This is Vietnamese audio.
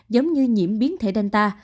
giống như nhiễm biến thể delta